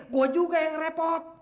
gue juga yang repot